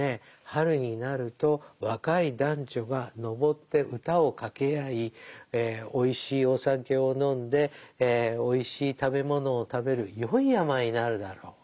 春になると若い男女が登って歌を掛け合いおいしいお酒を飲んでおいしい食べ物を食べるよい山になるだろう。